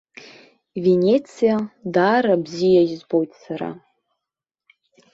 Венециа даара бзиа избоит сара.